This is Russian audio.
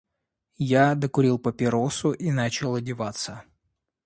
Я докурил папиросу и начал одеваться.